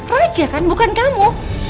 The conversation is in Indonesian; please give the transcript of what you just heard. raja kan bukan kamu